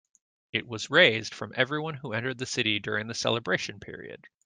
It was raised from everyone who entered the city during the celebration period.